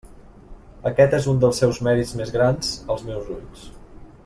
Aquest és un dels seus mèrits més grans als meus ulls.